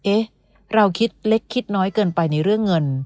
เอ๊ะเราคิดเล็กคิดน้อยเกินไปในเรื่องเงิน